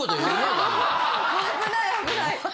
危ない危ない。